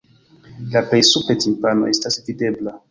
La plej supre timpano estas videbla.